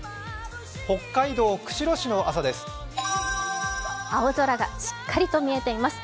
北海道釧路市の朝です。